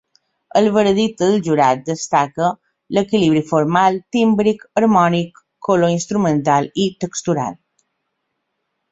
El veredicte del jurat destaca “l’equilibri formal, tímbric, harmònic, color instrumental i textural”.